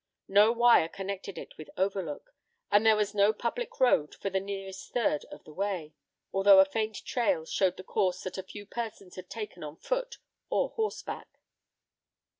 No wire connected it with Overlook, and there was no public road for the nearest third of the way, although a faint trail showed the course that a few persons had taken on foot or horseback.